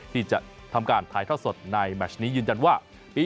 ที่จะทำการถ่ายทอดสดในแมชนี้ยืนยันว่า